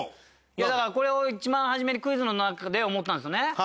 だからこれを一番初めにクイズの中で思ったんですよね。